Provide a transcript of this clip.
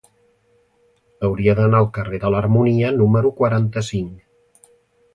Hauria d'anar al carrer de l'Harmonia número quaranta-cinc.